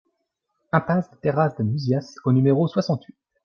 Impasse des Terrasses de Muzias au numéro soixante-huit